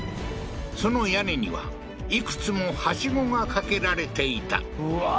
その屋根にはいくつもハシゴがかけられていたうわー